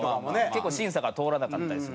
結構審査が通らなかったりする。